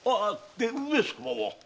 で上様は？